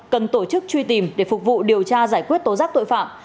cần tổ chức truy tìm để phục vụ điều tra giải quyết tố giác tội phạm